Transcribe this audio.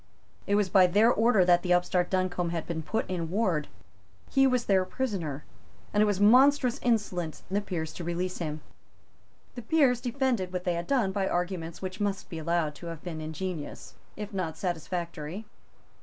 It was by their order that the upstart Duncombe had been put in ward. He was their prisoner; and it was monstrous insolence in the Peers to release him. The Peers defended what they had done by arguments which must be allowed to have been ingenious, if not satisfactory.